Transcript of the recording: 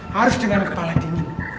harus dengan kepala dingin